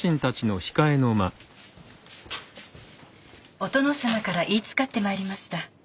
お殿様から言いつかってまいりました。